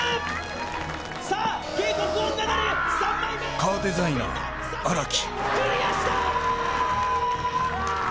カーデザイナー・荒木。